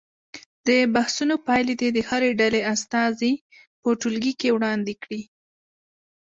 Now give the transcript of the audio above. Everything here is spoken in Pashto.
د بحثونو پایلې دې د هرې ډلې استازي په ټولګي کې وړاندې کړي.